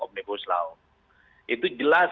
omnibus law itu jelas